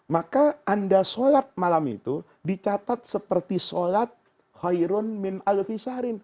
maka anda sholat malam itu dicatat seperti sholat khairun min alfi sarin